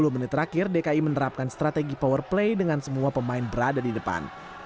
sepuluh menit terakhir dki menerapkan strategi power play dengan semua pemain berada di depan